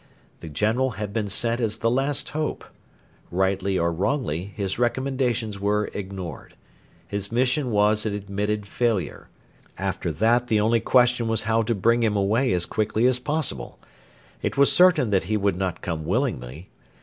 The General had been sent as the last hope. Rightly or wrongly, his recommendations were ignored. His mission was an admitted failure. After that the only question was how to bring him away as quickly as possible. It was certain that he would not come willingly.